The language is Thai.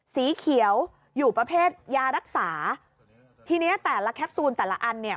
สีเขียวอยู่ประเภทยารักษาทีเนี้ยแต่ละแคปซูลแต่ละอันเนี่ย